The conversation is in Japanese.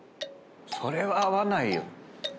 それは合わないよ。